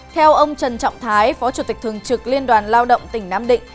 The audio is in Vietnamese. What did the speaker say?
theo ông trần trọng thái phó chủ tịch thường trực liên đoàn lao động tỉnh nam định